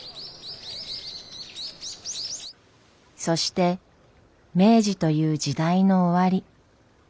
そして明治という時代の終わり。